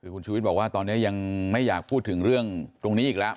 คือคุณชูวิทย์บอกว่าตอนนี้ยังไม่อยากพูดถึงเรื่องตรงนี้อีกแล้ว